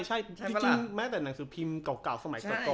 จริงแม้แต่หนังสือพิมพ์เก่าสมัยเก่า